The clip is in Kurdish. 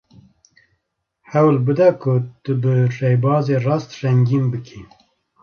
Hewil bide ku tu bi rêbazê rast rengîn bikî.